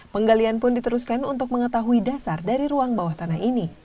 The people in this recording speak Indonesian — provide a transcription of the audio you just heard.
penggalian pun diteruskan untuk mengetahui dasar dari ruang bawah tanah ini